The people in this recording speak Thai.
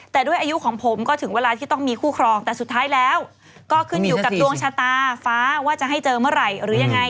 แต่ด้วยอายุของผมก็ถึงเวลาที่ต้องมีคู่ครองแต่สุดท้ายแล้วก็ขึ้นอยู่กับดวงชะตาฟ้าว่าจะให้เจอเมื่อไหร่หรือยังไง